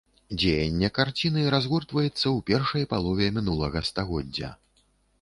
Дзеянне карціны разгортваецца ў першай палове мінулага стагоддзя.